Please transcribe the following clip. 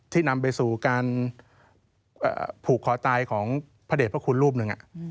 นำไปสู่การผูกคอตายของพระเด็จพระคุณรูปหนึ่ง